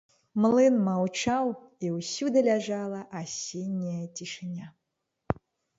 Млын маўчаў, і ўсюды ляжала асенняя цішыня.